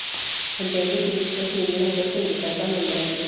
Ante ello, solicitó se le diera un puesto en Yucatán o en Veracruz.